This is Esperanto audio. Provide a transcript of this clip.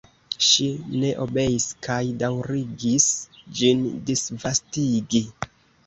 Ŝi ne obeis kaj daŭrigis ĝin disvastigi.